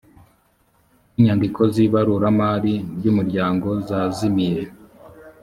n’ inyandiko z ‘ibaruramari ry’ umuryango zazimiye